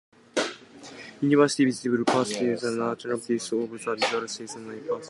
Underlying visible persistence is neural persistence of the visual sensory pathway.